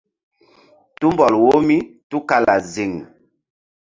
Tumbɔl wo mí tukala ziŋ.